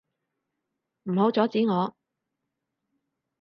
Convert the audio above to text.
唔好阻止我！